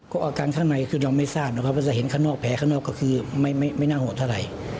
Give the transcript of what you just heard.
อาการข้างในคือเราไม่ทราบนะครับว่าจะเห็นข้างนอกแผลข้างนอกก็คือไม่น่าโหดเท่าไหร่